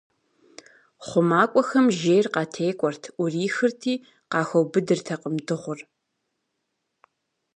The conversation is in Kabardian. Хъумакӏуэхэм жейр къатекӀуэрт, Ӏурихырти, къахуэубыдыртэкъым дыгъур.